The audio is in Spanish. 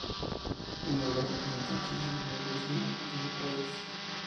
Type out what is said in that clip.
Uno de los representantes del modernismo de su país.